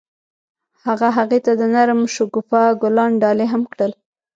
هغه هغې ته د نرم شګوفه ګلان ډالۍ هم کړل.